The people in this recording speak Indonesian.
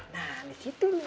nah di situ